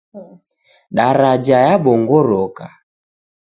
Daraja yabongoroka.